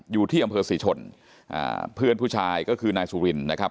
อยู่ที่อำเภอศรีชนอ่าเพื่อนผู้ชายก็คือนายสุรินนะครับ